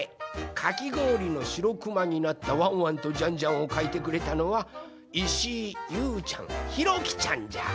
かきごおりのしろくまになったワンワンとジャンジャンをかいてくれたのはいしいゆうちゃんひろきちゃんじゃ！